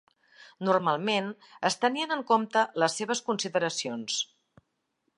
Normalment es tenien en compte les seves consideracions.